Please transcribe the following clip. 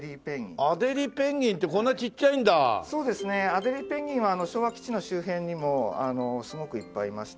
アデリーペンギンは昭和基地の周辺にもすごくいっぱいいまして。